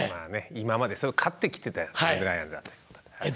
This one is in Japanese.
今までそれを勝ってきてた西武ライオンズだということで。